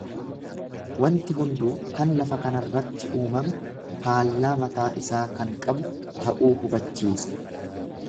Wanti hunduu kan lafa kanarratti uumame faallaa mataa isaa kan qabu ta'uu hubachiisa.